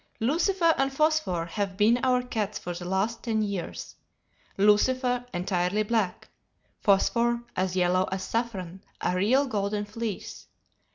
"Lucifer and Phosphor have been our cats for the last ten years: Lucifer, entirely black, Phosphor, as yellow as saffron, a real golden fleece.